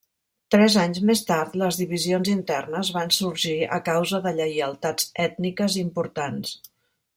Tres anys més tard les divisions internes van sorgir a causa de lleialtats ètniques importants.